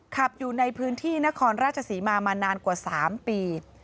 ขับอยู่ในพื้นที่นครราชศรีมามานานกว่า๓ปี